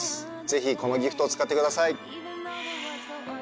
ぜひこのギフトを使ってください。